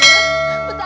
kamu gak ngerti amirah